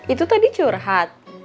itu tadi curhat